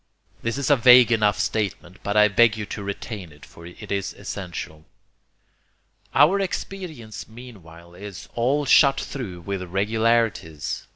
This is a vague enough statement, but I beg you to retain it, for it is essential. Our experience meanwhile is all shot through with regularities.